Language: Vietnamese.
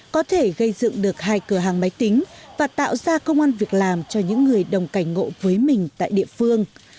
có thể gây dựng được hai cửa hàng máy tính và tạo ra công an việc làm cho những người đồng cảnh ngộ với mình tại địa phương